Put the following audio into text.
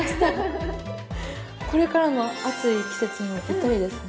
これからの暑い季節にもぴったりですね。